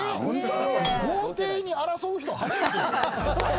豪邸と争う人初めてよ。